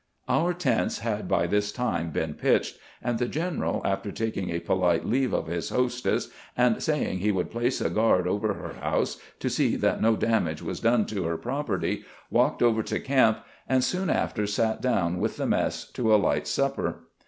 Our tents had by this time been pitched, and the general, after taking a polite leave of his hostess, and saying he would place a guard over her house to see that no damage was done to her property, walked over to camp, and soon after sat down with the mess to a light supper.